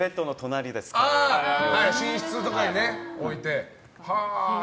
寝室とかに置いてね。